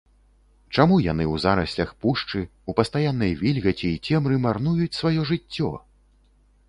Чаму яны ў зараслях пушчы, у пастаяннай вільгаці і цемры марнуюць сваё жыццё?!.